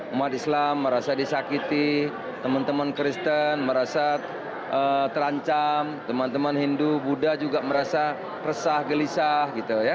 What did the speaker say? umat islam merasa disakiti teman teman kristen merasa terancam teman teman hindu buddha juga merasa resah gelisah gitu ya